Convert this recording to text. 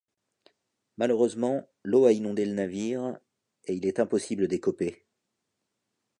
Malheureusement l'eau a inondé le navire et il est impossible d'écoper.